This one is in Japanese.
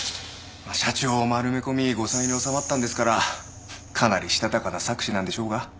社長を丸め込み後妻に収まったんですからかなりしたたかな策士なんでしょうが。